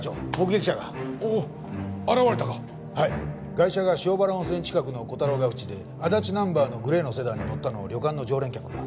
ガイシャが塩原温泉近くの小太郎ヶ淵で足立ナンバーのグレーのセダンに乗ったのを旅館の常連客が。